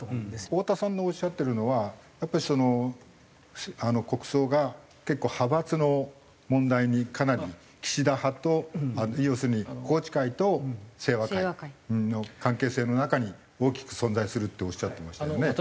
太田さんのおっしゃってるのはやっぱり国葬が結構派閥の問題にかなり岸田派と要するに宏池会と清和会の関係性の中に大きく存在するっておっしゃってましたよね。